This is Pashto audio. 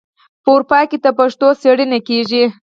په اروپا کې د پښتو څیړنې کیږي.